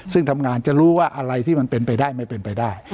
ซึ่งทำงานจะรู้ว่าอะไรที่มันเป็นไปได้ไม่เป็นไปได้